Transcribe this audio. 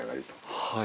はい。